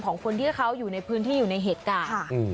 ของคนที่เขาอยู่ในพื้นที่อยู่ในเหตุการณ์